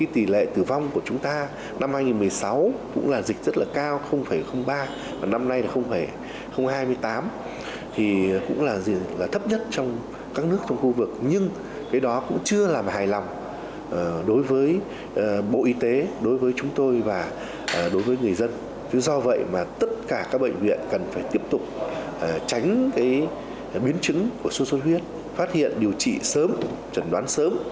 tiếp tục tránh biến chứng của số xuất huyết phát hiện điều trị sớm trần đoán sớm